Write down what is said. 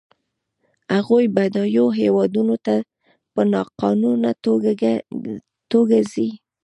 هغوی بډایو هېوادونو ته په ناقانونه توګه ځي.